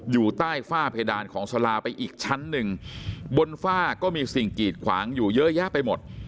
อยู่ใต้ฝ้าเพดานของสลาไปอีกชั้นหนึ่งบนฝ้าก็มีสิ่งกีดขวางอยู่เยอะแยะไปหมด